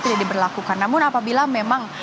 tidak diberlakukan namun apabila memang